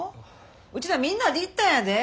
うちらみんなで行ったんやで。